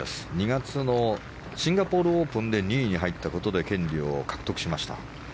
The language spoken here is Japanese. ２月のシンガポールオープンで２位に入ったことで権利を獲得しました。